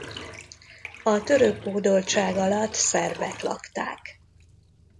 A török hódoltság alatt szerbek lakták.